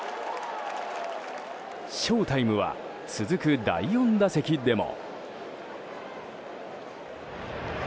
ショウタイムは続く第４打席でも。